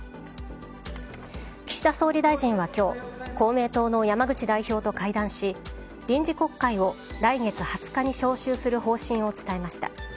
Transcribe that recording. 岸田総理大臣は今日公明党の山口代表と会談し臨時国会を来月２０日に召集する方針を伝えました。